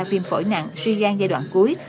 viêm phổi nặng suy gan giai đoạn cuối